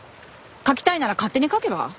書きたいなら勝手に書けば？